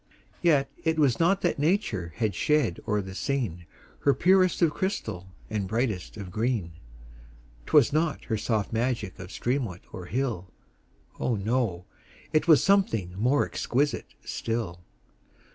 Yet it was not that nature had shed o'er the scene Her purest of crystal and brightest of green; 'Twas not her soft magic of streamlet or hill, Oh! no—it was something more exquisite still.